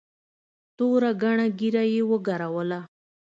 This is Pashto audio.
توره گڼه ږيره يې وګروله.